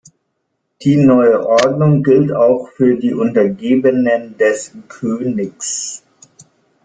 Die neue Ordnung gilt auch für die Untergebenen des Königs.